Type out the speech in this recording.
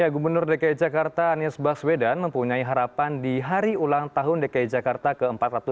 gubernur dki jakarta anies baswedan mempunyai harapan di hari ulang tahun dki jakarta ke empat ratus dua puluh